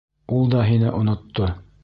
Ул да һине онотто.